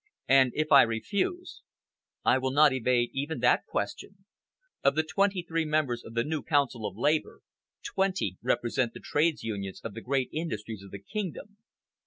"And if I refuse?" "I will not evade even that question. Of the twenty three members of the new Council of Labour, twenty represent the Trades Unions of the great industries of the kingdom.